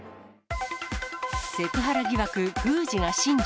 セクハラ疑惑、宮司が神事。